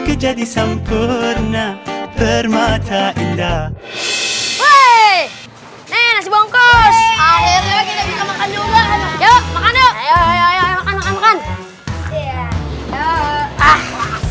kejadian purna bermata indah